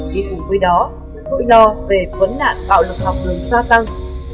khi cùng với đó tội đo về vấn đạn bạo lực học được gia tăng